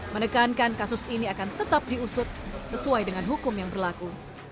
menekankan kasus ini akan tetap diusut sesuai dengan hukum yang berlaku